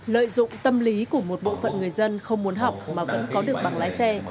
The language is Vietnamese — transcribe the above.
lợi dụng tâm lý của một bộ phận người dân không muốn học mà vẫn có được bằng lái xe